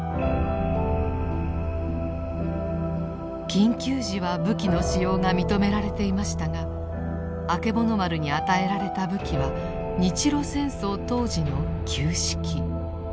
緊急時は武器の使用が認められていましたがあけぼの丸に与えられた武器は日露戦争当時の旧式。